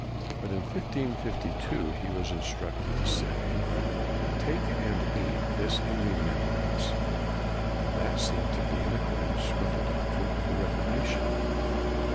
But in 1552, he was in CRANMER 91 structed to say, " Take and eat this in remembrance," and that seemed to be in accordance with the doctrine of the Reformation.